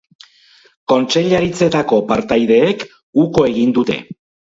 Kontseilaritzetako partaideek uko egin dute.